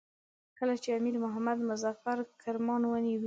کله چې امیر محمد مظفر کرمان ونیوی.